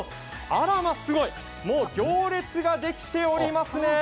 あらまぁ、すごい、もう行列ができておりますね。